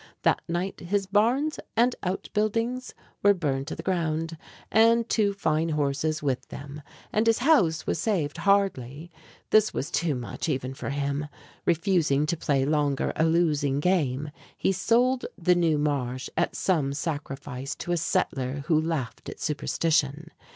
That night his barns and outbuildings were burned to the ground, and two fine horses with them; and his house was saved hardly. This was too much even for him. Refusing to play longer a losing game, he sold the "New Marsh" at some sacrifice to a settler who laughed at superstition.